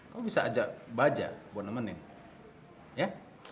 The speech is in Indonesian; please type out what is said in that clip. kamu bisa ajak baja buat nemenin ya